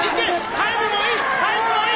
タイムもいい！